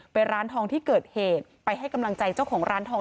ร้านทองที่เกิดเหตุไปให้กำลังใจเจ้าของร้านทอง